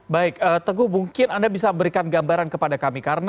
baik teguh mungkin anda bisa berikan gambaran kepada kami